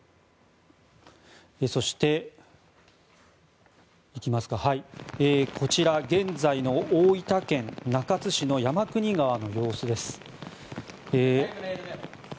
そして、こちら現在の大分県中津市の山国川の様子です。